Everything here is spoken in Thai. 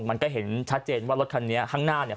มันก็เห็นชัดเจนว่ารถคันนี้ข้างหน้าเนี่ย